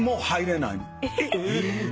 えっ！？